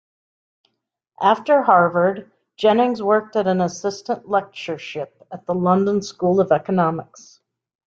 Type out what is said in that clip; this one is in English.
After Harvard, Jennings worked at an assistant lectureship at the London School of Economics.